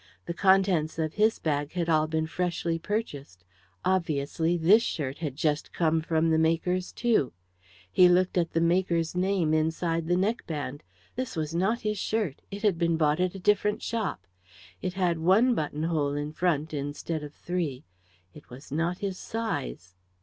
The contents of his bag had all been freshly purchased obviously, this shirt had just come from the maker's too. He looked at the maker's name inside the neckband. This was not his shirt it had been bought at a different shop; it had one buttonhole in front instead of three; it was not his size.